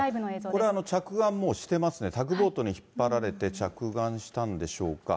これ、着岸してますね、タグボートに引っ張られて着岸したんでしょうか。